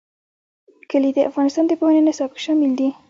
کلي د افغانستان د پوهنې نصاب کې شامل دي.